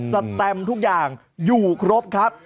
แตมทุกอย่างอยู่ครบครับ